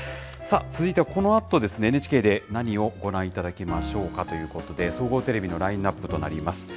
続いてはこのあとですね、ＮＨＫで何をご覧いただきましょうかということで、総合テレビのラインナップとなります。